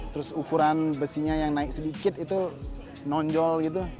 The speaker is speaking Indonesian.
terus ukuran besinya yang naik sedikit itu nonjol gitu